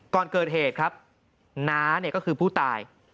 ก่อนเกิดเหตุครับน้าเนี่ยก็คือผู้ตาย